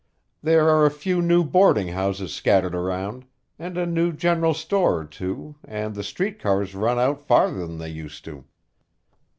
There are a few new boarding houses scattered around, and a new general store or two, and the street cars run out farther than they used to."